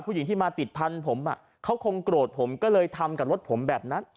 ผู้หญิงที่มาติดพันธุ์ผมเขาคงโกรธผมก็เลยทำกับรถผมแบบนั้น